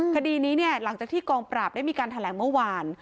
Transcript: คดีนี้เนี่ยหลังจากที่กองปราบได้มีการแถลงเมื่อวาน